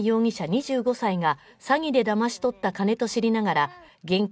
２５歳が詐欺でだまし取った金と知りながら現金